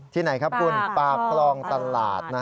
ไหนครับคุณปากคลองตลาด